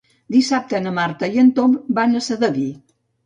Dissabte na Marta i en Tom van a Sedaví.